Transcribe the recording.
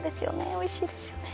おいしいですよね